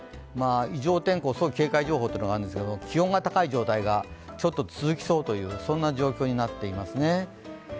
異常天候早期警戒情報というのがあるんですが、気温が高い状態がちょっと続きそうという状況になっていますね。